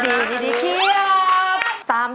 ดีเขียบ